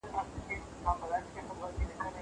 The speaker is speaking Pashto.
زه امادګي نه نيسم!